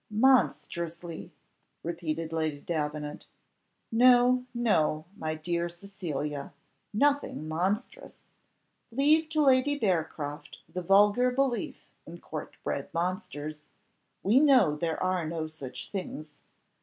"Monstrously!" repeated Lady Davenant. "No, no, my dear Cecilia; nothing monstrous. Leave to Lady Bearcroft the vulgar belief in court bred monsters; we know there are no such things.